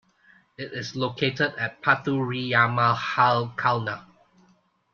It is located at Pathuriyamahal, Kalna.